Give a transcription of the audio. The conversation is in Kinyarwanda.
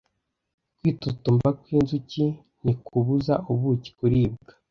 kwitotomba kwinzuki ntikubuza ubuki kuribwa